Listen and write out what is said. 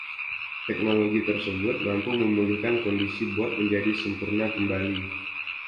Teknologi tersebut mampu memulihkan kondisi bot menjadi sempurna kembali.